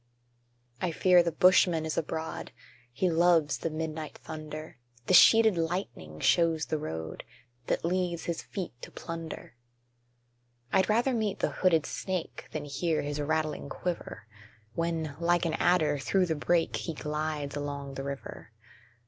I fear the Bushman is abroad He loves the midnight thunder; The sheeted lightning shows the road That leads his feet to plunder: I'd rather meet the hooded snake Than hear his rattling quiver, When, like an adder, through the brake, He glides along the river.